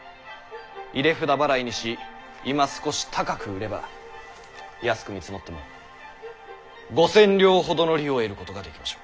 入札払いにしいま少し高く売れば安く見積もっても５千両ほどの利を得ることができましょう。